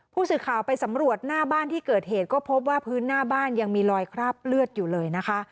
ผู้สื่อข่าวไปสำรวจหน้าบ้านที่เกิดเหตุก็พบว่าพื้นหน้าบ้านยังมีรอยคราบเลือดอยู่เลยนะคะ